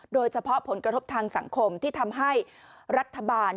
โดยเฉพาะผลกระทบทางสังคมที่ทำให้รัฐบาล